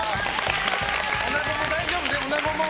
おなごも大丈夫ね？